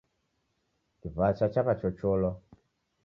Kiw'acha chaw'achocholwa.